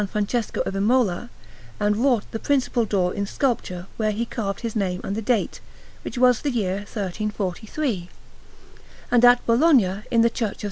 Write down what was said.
Francesco of Imola and wrought the principal door in sculpture, where he carved his name and the date, which was the year 1343. And at Bologna, in the Church of S.